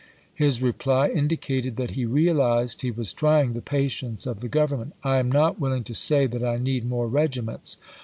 His reply indicated that he ^ r^^Voi realized he was trying the patience of the Govern '^"•' p ^"^• ment :" I am not willing to say that I need more Thomas, regiments.